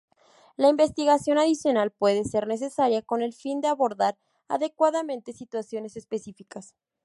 La investigación adicional puede ser necesaria con el fin de abordar adecuadamente situaciones específicas.